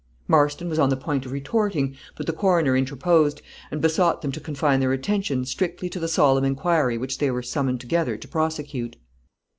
Marston was on the point of retorting, but the coroner interposed, and besought them to confine their attention strictly to the solemn inquiry which they were summoned together to prosecute.